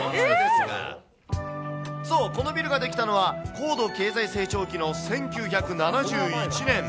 そう、このビルが出来たのは、高度経済成長期の１９７１年。